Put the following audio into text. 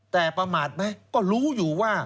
แต่พรามาศมั้ยก็รู้อยู่ว่า